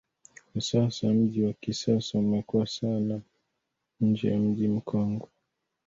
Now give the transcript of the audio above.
Kwa sasa mji wa kisasa umekuwa sana nje ya mji mkongwe